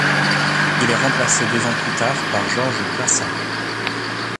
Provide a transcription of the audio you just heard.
Il est remplacé deux ans plus tard par Georges Plassat.